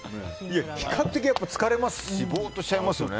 比較的、疲れますしボーッとしちゃいますよね。